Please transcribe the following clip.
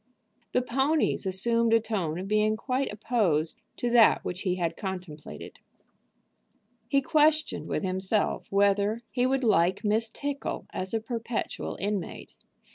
The ponies assumed a tone of being quite opposed to that which he had contemplated. He questioned with himself whether he would like Miss Tickle as a perpetual inmate.